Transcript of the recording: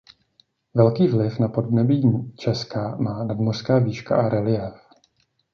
Velký vliv na podnebí Česka má nadmořská výška a reliéf.